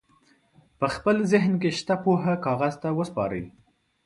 په خپل ذهن کې شته پوهه کاغذ ته وسپارئ.